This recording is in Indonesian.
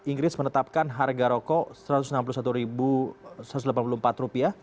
inggris menetapkan harga rokok rp satu ratus enam puluh satu satu ratus delapan puluh empat